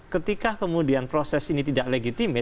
ketika kemudian proses ini tidak legitimit